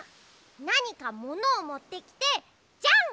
なにかものをもってきてじゃんけんぽん！